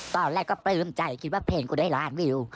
ตอนแรกก็ปลื้มใจคิดว่าเพลงกูได้ล้านวิว